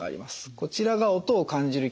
こちらが音を感じる器官です。